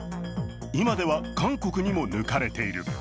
今では韓国にも抜かれている。